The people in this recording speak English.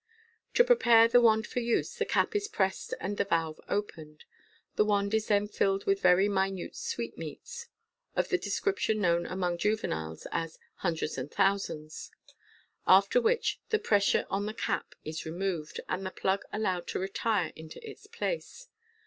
To prepare the wand for use, the cap is pressed and the valve opened. The wand is then filled with very minute sweetmeats, of the description known among juveniles as " hundreds and thousands " after which the pressure on the cap is removed, and the plug allowed to retire into its place.